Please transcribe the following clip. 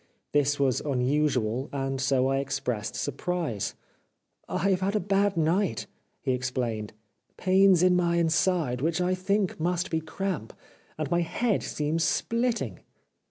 This was unusual, and so I expressed surprise. " I have had a bad night," he ex plained. '' Pains in my inside, which I think must be cramp, and my head seems sphtting."